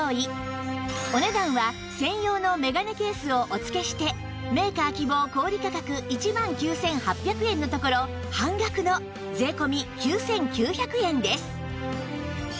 お値段は専用の眼鏡ケースをお付けしてメーカー希望小売価格１万９８００円のところ半額の税込９９００円です